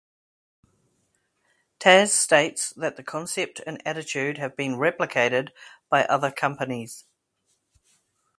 Taz states that the concept and attitude have been replicated by other companies.